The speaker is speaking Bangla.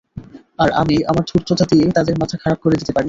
আর আমি আমার ধূর্ততা দিয়ে তাদের মাথা খারাপ করে দিতে পারি।